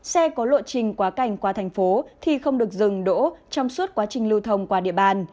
xe có lộ trình quá cảnh qua thành phố thì không được dừng đỗ trong suốt quá trình lưu thông qua địa bàn